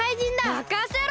まかせろ！